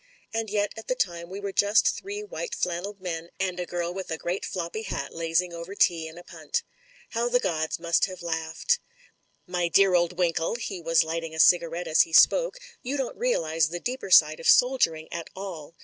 And yet at the time we were just three white flannelled men and a girl with a great floppy hat lazing over tea in a punt. How the gods must have laughed I "My dear old Winkle" — ^he was lighting a cigar ette as he spoke — ^y^u don't realise the deeper side of soldiering at all.